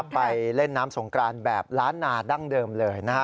ไปเล่นน้ำสงกรานแบบล้านนาดั้งเดิมเลยนะฮะ